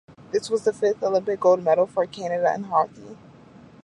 This was the fifth Olympic gold medal for Canada in hockey.